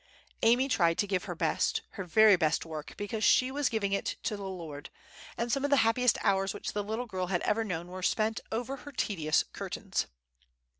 Amy tried to give her best, her very best work, because she was giving it to the Lord, and some of the happiest hours which the little girl ever had known were spent over her tedious curtains.